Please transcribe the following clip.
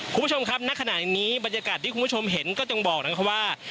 คุณผู้ชมครับณขณะนี้บรรยากาศที่คุณผู้ชมเห็นก็ต้องบอกนะครับว่า